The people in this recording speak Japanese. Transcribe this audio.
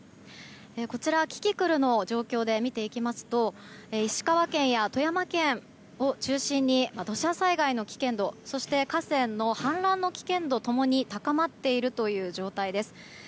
こちらキキクルの状況で見ていきますと石川県や富山県を中心に土砂災害の危険度そして河川の氾濫の危険度ともに高まっているという状態です。